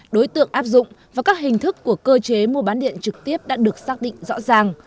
đối tượng áp dụng và các hình thức của cơ chế mua bán điện trực tiếp đã được xác định rõ ràng